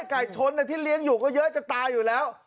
ไก่ชนที่เลี้ยงอยู่ก็เยอะจะตายอยู่แล้ว